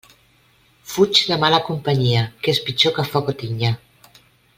Fuig de mala companyia, que és pitjor que foc o tinya.